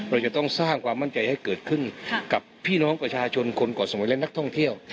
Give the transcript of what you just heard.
เราจะต้องสร้างความมั่นใจให้เกิดขึ้นกับพี่น้องประชาชนคนเกาะสมุยและนักท่องเที่ยว